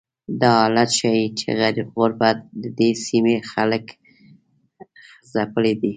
دا حالت ښیي چې غربت ددې سیمې خلک ځپلي دي.